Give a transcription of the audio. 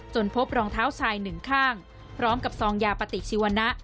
พบรองเท้าชายหนึ่งข้างพร้อมกับซองยาปฏิชีวนะ